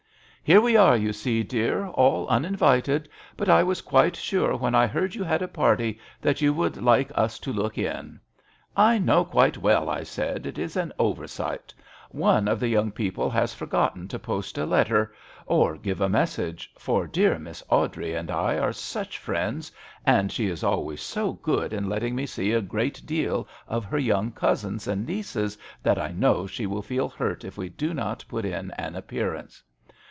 " Here we are, you see, dear, all uninvited; but I was quite sure, when I heard you had a party, that you would like us to look in. * I know quite well,' I said, * it is an oversight ; one of the young people has forgotten to post a letter or give a message, for dear Miss Awdrey and I are such friends, and she is always so good in letting me see a great deal of her young cousins and nieces that I know she will feel hurt if we do not put in an appearance.'